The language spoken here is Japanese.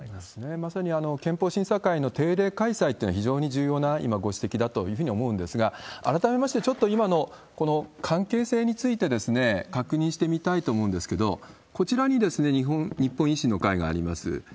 まさに憲法審査会の定例開催ってのは、非常に重要な今、ご指摘だというふうに思うんですが、改めまして、ちょっと今の関係性について確認してみたいと思うんですけど、こちらに日本維新の会があります。